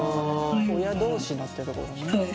親同士のってところね。